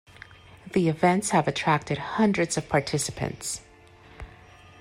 The events have attracted hundreds of participants.